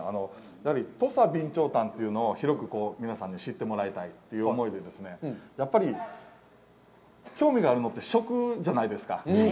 土佐備長炭というのを広く皆さんに知ってもらいたいという思いで、やっぱり興味があるのって食じゃないですか。